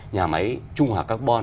nhà máy trung hòa carbon